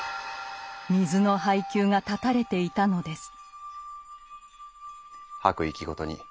水の配給が断たれていたのです。